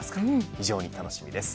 非常に楽しみです。